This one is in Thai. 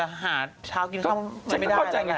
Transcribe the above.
ผลจะหาเช้ากินของเขาไม่ได้